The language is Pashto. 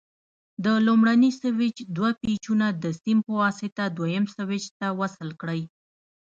د لومړني سویچ دوه پېچونه د سیم په واسطه دویم سویچ ته وصل کړئ.